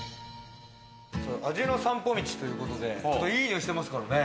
味の散歩道ということで、いいにおいしてますからね。